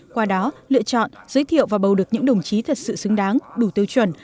qua đó lựa chọn giới thiệu và bầu được những đồng chí thật sự xứng đáng đủ tiêu chuẩn